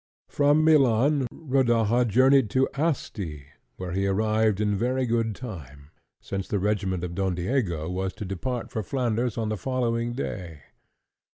From Milan, Rodaja journeyed to Asti, where he arrived in very good time, since the regiment of Don Diego was to depart for Flanders on the following day.